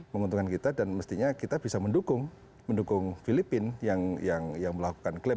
menguntungkan kita dan mestinya kita bisa mendukung filipina yang melakukan klaim